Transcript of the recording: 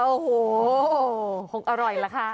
โอ้โหหกอร่อยแล้วค่ะ